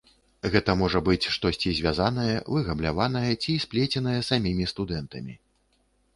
Гэта можа быць штосьці звязанае, выгабляванае ці сплеценае самімі студэнтамі.